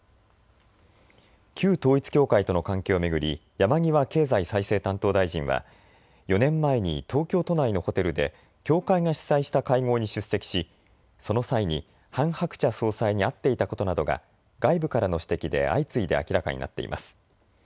旧統一教会との関係を巡り山際経済再生担当大臣は４年前に東京都内のホテルで教会が主催した会合に出席し、その際にハン・ハクチャ総裁に会っていたことなどが外部からの指摘で相次いで明らかになっています。